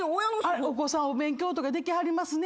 お子さんお勉強とかできはりますね